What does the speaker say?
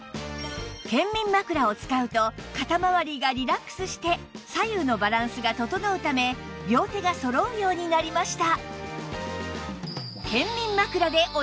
健眠枕を使うと肩まわりがリラックスして左右のバランスが整うため両手がそろうようになりました